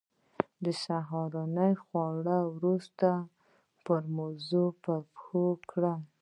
سهارنۍ خوړلو وروسته موزې پر پښو کړې.